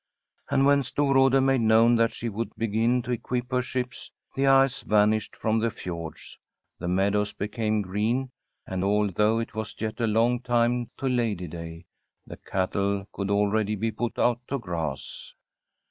And when Storrade made known that she would begin to equip her ships, the ice vanished from the fjords, the meadows became Eeen, and although it was yet a long time to idy day, the cattle could already be put out to grass.